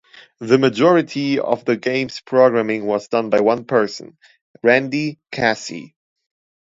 The majority of the game's programming was done by one person - Randy Casey.